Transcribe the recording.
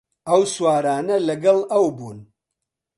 ئەو سوارانە لەگەڵ ئەو بوون